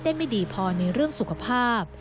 ไม่ดีพอในเรื่องสุขภาพ